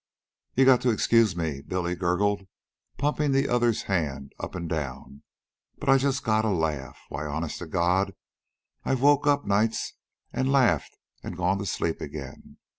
"You gotta excuse me," Billy gurgled, pumping the other's hand up and down. "But I just gotta laugh. Why, honest to God, I've woke up nights an' laughed an' gone to sleep again.